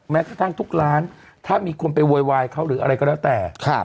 แม้กระทั่งทุกร้านถ้ามีคนไปโวยวายเขาหรืออะไรก็แล้วแต่